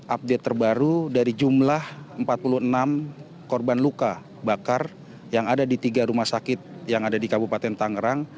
update terbaru dari jumlah empat puluh enam korban luka bakar yang ada di tiga rumah sakit yang ada di kabupaten tangerang